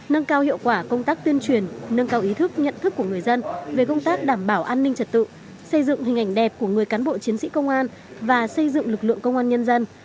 nâng cao hiệu quả công tác tuyên truyền nâng cao ý thức nhận thức của người dân về công tác đảm bảo an ninh trật tự xây dựng hình ảnh đẹp của người cán bộ chiến sĩ công an và xây dựng lực lượng công an nhân dân